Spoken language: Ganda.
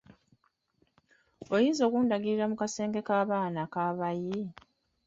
Oyinza okundagirirako mu kasenge k'abaana ak'abayi?